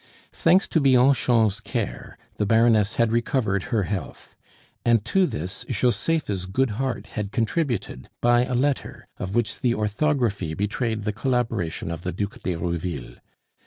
Thanks to Bianchon's care, the Baroness had recovered her health; and to this Josepha's good heart had contributed by a letter, of which the orthography betrayed the collaboration of the Duc d'Herouville.